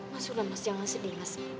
mas mas jangan sedih